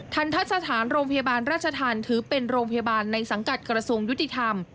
ทันทะสถานโรงพยาบาลราชธรรมถือเป็นโรงพยาบาลในสังกัดกระทรวงยุติธรรม